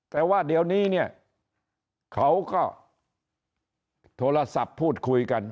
แต่ว่าเดี๋ยวนี้เนี่ยเขาก็โทรศัพท์พูดคุยกัน